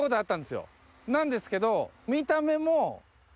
なんですけど。